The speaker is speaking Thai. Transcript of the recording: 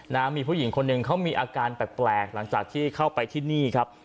นะมีผู้หญิงคนหนึ่งเขามีอาการแปลกหลังจากที่เข้าไปที่นี่ครับ